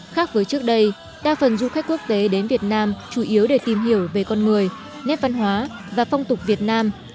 khác với trước đây đa phần du khách quốc tế đến việt nam chủ yếu để tìm hiểu về con người nét văn hóa và phong tục việt nam